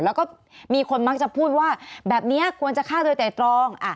แล้วก็มีคนมักจะพูดว่าแบบนี้ควรจะฆ่าโดยไตรตรอง